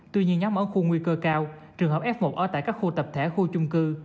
tuy nhiên nhóm ở khu nguy cơ cao trường hợp f một ở tại các khu tập thể khu chung cư